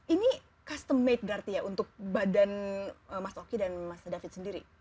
ini customate berarti ya untuk badan mas oki dan mas david sendiri